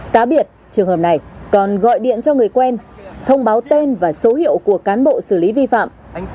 cá biệt trường hợp này còn gọi điện cho người quen thông báo tên và số hiệu của cán bộ xử lý vi phạm